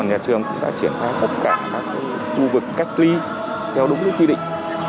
nhà trường cũng đã triển khai tất cả các khu vực cách ly theo đúng quy định